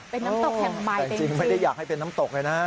เป็นน้ำตกแห่งใหม่แต่จริงไม่ได้อยากให้เป็นน้ำตกเลยนะ